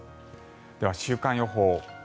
では、週間予報。